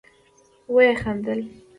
ويې خندل.